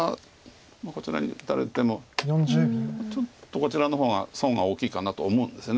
まあこちらに打たれてもちょっとこちらの方が損が大きいかなと思うんですよね。